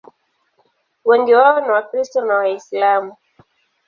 Wengi wao ni Wakristo na Waislamu.